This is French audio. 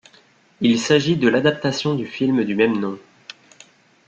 Il s'agit de l'adaptation du film du même nom.